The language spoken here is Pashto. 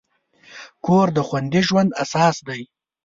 کور د خوندي ژوند اساس دی.